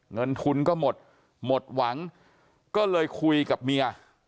เงินทุนก็หมดหมดหวังก็เลยคุยกับเมีย